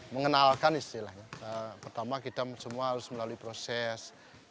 mengenalkan istilahnya pertama kita semua harus melalui proses